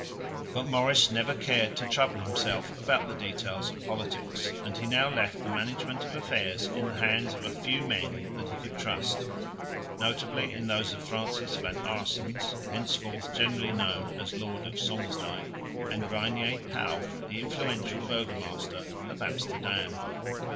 But Maurice never cared to trouble himself about the details of politics, and he now left the management of affairs in the hands of a few men that he could trust, notably in those of Francis van Aerssens (henceforth generally known as lord of Sommelsdijk) and Reinier Pauw, the influential burgomaster of Amsterdam.